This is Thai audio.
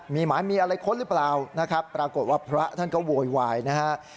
มีหมายมีอะไรค้นหรือเปล่านะครับปรากฏว่าพระท่านก็โวยวายนะฮะ